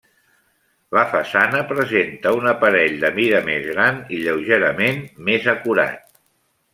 La façana presenta un aparell de mida més gran i lleugerament més acurat.